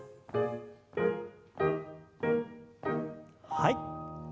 はい。